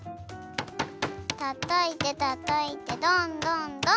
たたいてたたいてどんどんどん！